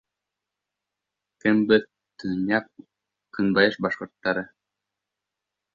Кем беҙ төньяҡ-көнбайыш башҡорттары?